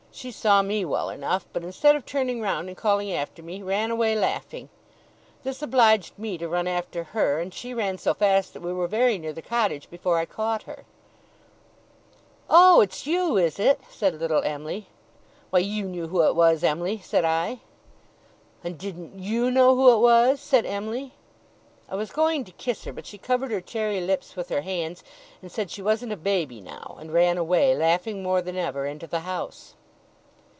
She saw me well enough; but instead of turning round and calling after me, ran away laughing. This obliged me to run after her, and she ran so fast that we were very near the cottage before I caught her. 'Oh, it's you, is it?' said little Em'ly. 'Why, you knew who it was, Em'ly,' said I. 'And didn't YOU know who it was?' said Em'ly. I was going to kiss her, but she covered her cherry lips with her hands, and said she wasn't a baby now, and ran away, laughing more than ever, into the house.